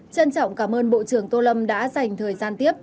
trân trọng cảm ơn bộ trưởng tô lâm đã dành thời gian tiếp